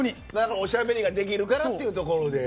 おしゃべりができるからということで。